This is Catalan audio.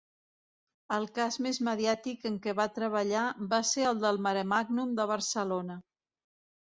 El cas més mediàtic en què va treballar va ser el del Maremàgnum de Barcelona.